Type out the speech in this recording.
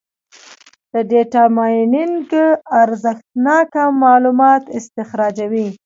د ډیټا مایننګ ارزښتناکه معلومات استخراجوي.